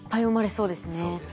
そうですね。